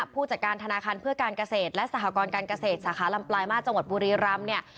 ผู้จัดการธนาคารเพื่อการเกษตรและสหกรการเกษตรสาขาลำปลายมาสจังหวัดบุรีรำเนี่ย